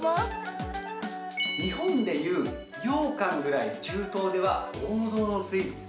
日本でいうようかんぐらい中東では王道のスイーツ。